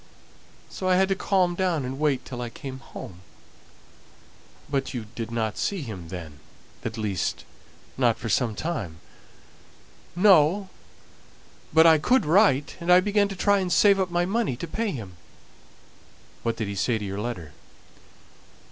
So I had to calm down and wait till I came home." "But you didn't see him then; at least, not for some time?" "No, but I could write; and I began to try and save up my money to pay him." "What did he say to your letter?"